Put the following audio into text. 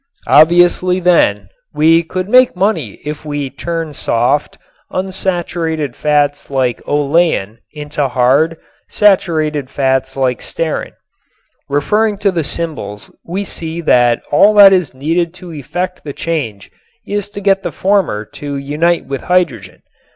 Obviously, then, we could make money if we could turn soft, unsaturated fats like olein into hard, saturated fats like stearin. Referring to the symbols we see that all that is needed to effect the change is to get the former to unite with hydrogen.